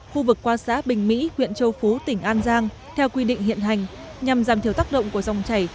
khu vực qua xã bình mỹ huyện châu phú tỉnh an giang theo quy định hiện hành nhằm giảm thiểu tác động của dòng chảy